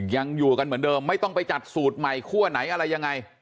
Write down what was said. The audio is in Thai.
ยังอยู่กันเหมือนเดิมไม่ต้องไปจัดสูตรใหม่คั่วไหนอะไรยังไง